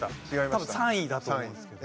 多分３位だと思うんですけど。